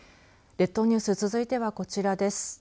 列島ニュース続いてはこちらです。